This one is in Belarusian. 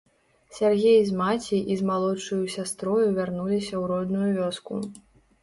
Сяргей з маці і з малодшаю сястрою вярнуліся ў родную вёску.